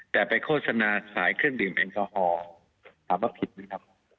แต่ไปโฆษณาสายเครื่องดื่มแอลกอฮอล์ถามว่าผิดไหมครับ